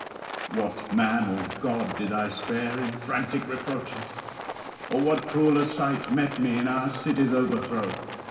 What man or god did I spare in frantic reproaches? or what crueller sight met me in our city's overthrow?